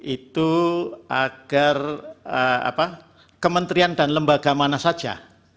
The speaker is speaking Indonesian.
itu agar kementerian dan lembaga mana saja